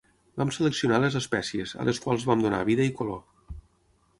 Vam seleccionar les espècies, a les quals vam donar vida i color.